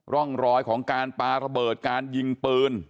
ร่องรอยของการปาระเบิดการยิงปืน